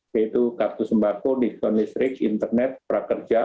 yaitu kartu sembako diktonistrik internet prakerja